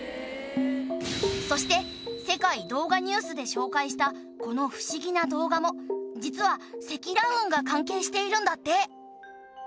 そして『世界動画ニュース』で紹介したこの不思議な動画も実は積乱雲が関係しているんだって。